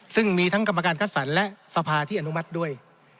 ซึ่งมีทั้งกรรมการคัดสรรและสภาที่อนุมัติด้วย